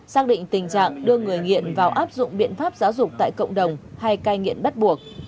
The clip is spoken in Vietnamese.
xác định tình trạng đưa người nghiện vào áp dụng biện pháp giáo dục tại cộng đồng hay cai nghiện bắt buộc